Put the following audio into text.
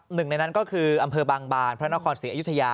หนึ่งในนั้นก็คืออำเภอบางบานพระนครศรีอยุธยา